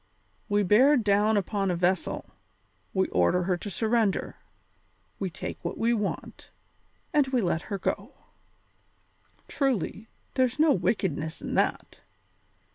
We bear down upon a vessel; we order her to surrender; we take what we want, and we let her go. Truly, there's no wickedness in that!